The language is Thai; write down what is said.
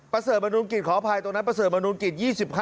ประเสริฐมนุนกิจขออภัยตรงนั้นประเสริฐมนุนกิจ๒๕